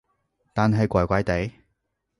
但係怪怪地